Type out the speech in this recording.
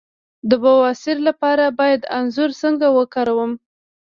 د بواسیر لپاره باید انځر څنګه وکاروم؟